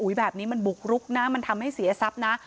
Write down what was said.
แบบนี้มันบุกรุกนะมันทำให้เสียทรัพย์นะ